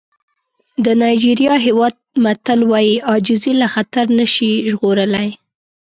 د نایجېریا هېواد متل وایي عاجزي له خطر نه شي ژغورلی.